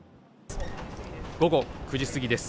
午後９時すぎです。